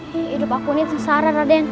hidup aku ini sesaran raden